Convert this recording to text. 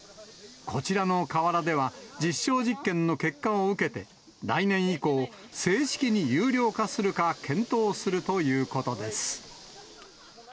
こちらの河原では、実証実験の結果を受けて、来年以降、正式に有料化するか検討するということです。